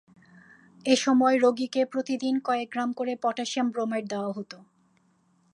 এসময় রোগীকে প্রতিদিন কয়েক গ্রাম করে পটাসিয়াম ব্রোমাইড দেওয়া হত।